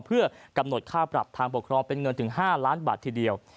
เพื่อกำหนดค่าปรับทางปกครองเป็นเงินถึง๕ล้านบาททีเดียว